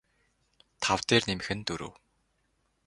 тав дээр нэмэх нь дөрөв